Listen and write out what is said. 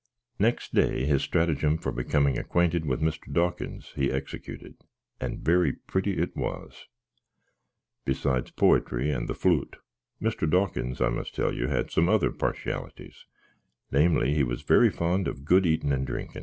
Next day, his strattygam for becoming acquainted with Mr. Dawkins he exicuted, and very pritty it was. Besides potry and the floot, Mr. Dawkins, I must tell you, had some other parsballities wiz., he was very fond of good eatin and drinkin.